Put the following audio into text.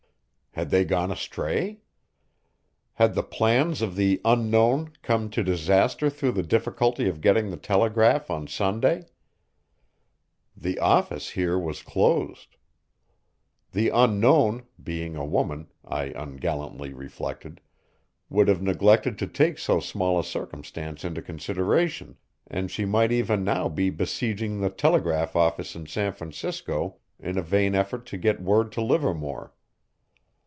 Had they gone astray? Had the plans of the Unknown come to disaster through the difficulty of getting the telegraph on Sunday? The office here was closed. The Unknown, being a woman, I ungallantly reflected, would have neglected to take so small a circumstance into consideration, and she might even now be besieging the telegraph office in San Francisco in a vain effort to get word to Livermore.